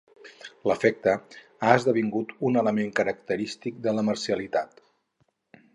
L'efecte ha esdevingut un element característic de la marcialitat.